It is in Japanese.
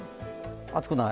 暑くない。